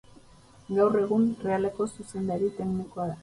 Gaur egun, Realeko zuzendari teknikoa da.